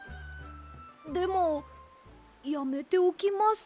でもやめておきます。